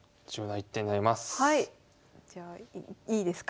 じゃあいいですか？